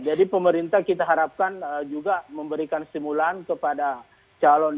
jadi pemerintah kita harapkan juga memberikan simulan kepada calon